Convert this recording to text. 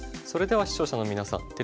それでは視聴者の皆さん